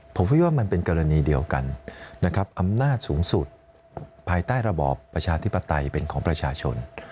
ผมคิดว่ามันเป็นกรณีเดียวกันนะครับอำนาจสูงสุดภายใต้ระบอบประชาธิปไตยเป็นของประชาชน